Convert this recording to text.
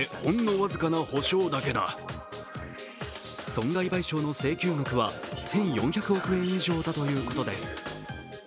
損害賠償の請求額は１４００億円以上だということです。